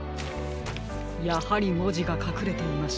やはりもじがかくれていましたか。